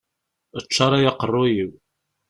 Ččaṛ ay aqeṛṛuy-iw!